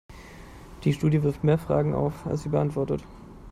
Die Studie wirft mehr Fragen auf, als sie beantwortet.